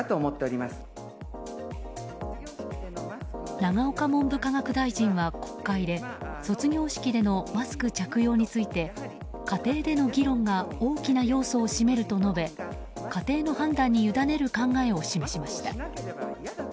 永岡文部科学大臣は国会で卒業式でのマスク着用について家庭での議論が大きな要素を占めると述べ家庭の判断に委ねる考えを示しました。